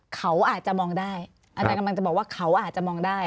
เขาอาจจะมองได้อาจารย์กำลังจะบอกว่าเขาอาจจะมองได้